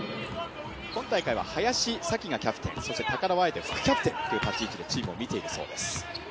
今大会は林咲希がキャプテン、高田は、あえて副キャプテンという立ち位置でチームを見ているそうです。